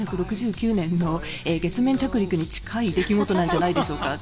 １９６９年の月面着陸に近い出来事なんじゃないでしょうか。